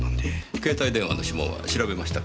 携帯電話の指紋は調べましたか？